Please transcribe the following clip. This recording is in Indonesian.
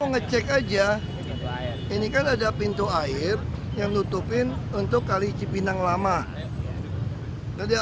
gubernur basuki cahayapurnama mengatakan